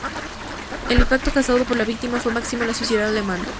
El impacto causado por la victoria fue máximo en la sociedad alemana.